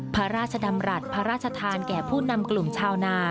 พระราชดำรัฐพระราชทานแก่ผู้นำกลุ่มชาวนา